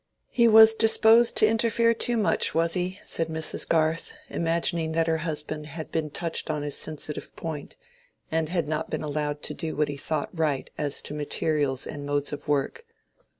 "He was disposed to interfere too much, was he?" said Mrs. Garth, imagining that her husband had been touched on his sensitive point, and not been allowed to do what he thought right as to materials and modes of work.